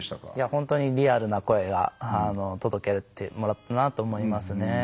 本当にリアルな声が届けてもらったなと思いますね。